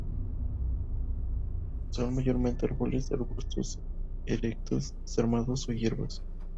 Son mayormente árboles, arbustos erectos desarmados o hierbas.